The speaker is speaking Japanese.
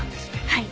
はい。